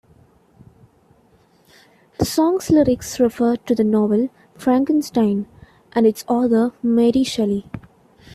The song's lyrics refer to the novel "Frankenstein" and its author Mary Shelley.